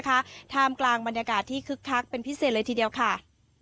ท่ามกลางบรรยากาศที่คึกคักเป็นพิเศษเลยทีเดียวค่ะ